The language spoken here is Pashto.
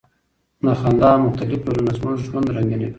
د خندا مختلف ډولونه زموږ ژوند رنګینوي.